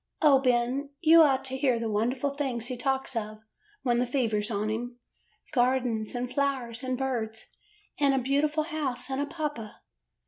'O, Ben, you ought to hear the wonderful things he talks of when the fever 's on him. Gardens, and flowers, and birds, and a beautiful house and a papa.